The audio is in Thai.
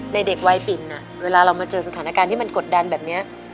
เด็กวัยปิ่นเวลาเรามาเจอสถานการณ์ที่มันกดดันแบบนี้